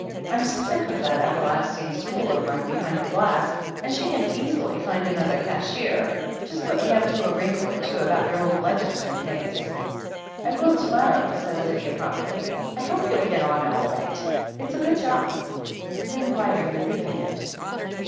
Fm sick of that everlasting stool of mine behind the glass, and she can easily find another cashier. Just put me up to a wrinkle or two about your old ledgers and things." 254 THE HEEL OF ACHILLES "I will to morrow/' said Lydia promptly. "I hope you'll get on all right. It's a good job." "Then why are you leaving it